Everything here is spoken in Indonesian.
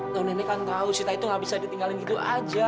tuh nenek kan tahu sita itu gak bisa ditinggalin gitu aja